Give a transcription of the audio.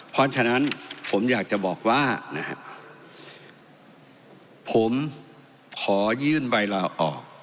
ผมขอยื่นใบลาออก